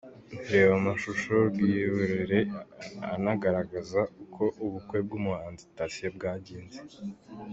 Reba amashusho 'Rwiyoborere'anagaragaza uko ubukwe bw'umuhanzi Thacien bwagenze .